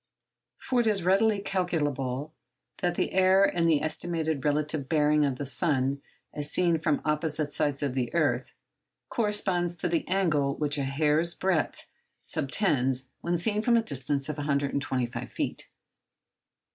For it is readily calculable that the error in the estimated relative bearing of the sun as seen from opposite sides of the earth corresponds to the angle which a hair's breadth subtends when seen from a distance of 125 feet.